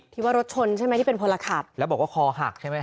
ที่ว่ารถชนใช่ไหมที่เป็นพลขับแล้วบอกว่าคอหักใช่ไหมฮ